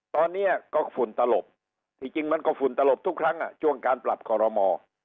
ตอนนี้ก็ฝุ่นตลบที่จริงมันก็ฝุ่นตลบทุกครั้งช่วงการปรับคอรมอ